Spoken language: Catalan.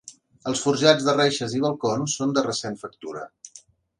Els forjats de reixes i balcons són de recent factura.